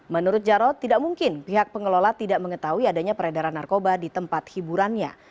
menurut jarod tidak mungkin pihak pengelola tidak mengetahui adanya peredaran narkoba di tempat hiburannya